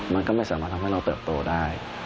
มันก็ไม่สามารถทำให้เราเติบโตได้